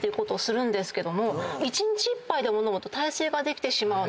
一日１杯でも飲むと耐性ができてしまうので。